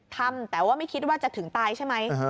ทำแต่ว่าไม่คิดว่าจะถึงตายใช่ไหม